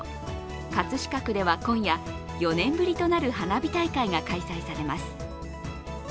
葛飾区では今夜、４年ぶりとなる花火大会が開催されます。